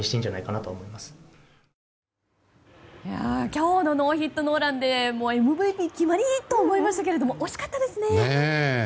今日のノーヒットノーランでＭＶＰ決まり！と思いましたけど惜しかったですね。